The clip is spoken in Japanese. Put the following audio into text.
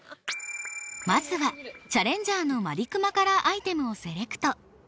まずはチャレンジャーのまりくまからアイテムをセレクト。